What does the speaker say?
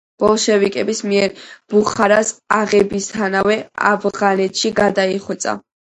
ბოლშევიკების მიერ ბუხარას აღებისთანავე ავღანეთში გადაიხვეწა.